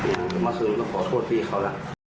อย่างนี้มาคุณก็ขอโทษพี่เขาล่ะ